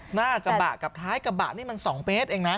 หน้ากระบะกับท้ายกระบะนี่มัน๒เมตรเองนะ